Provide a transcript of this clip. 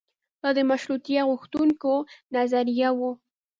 دا د مشروطیه غوښتونکیو نظریه وه.